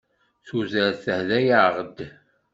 Tudert tehda-aɣ-d.